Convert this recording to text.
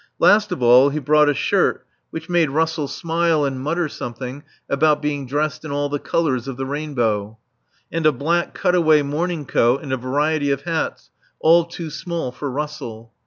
Last of all he brought a shirt which made Russell smile and mutter something about being dressed in all the colours of the rainbow; and a black cutaway morning coat, and a variety of hats, all too small for Russell.